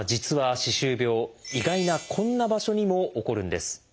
意外なこんな場所にも起こるんです。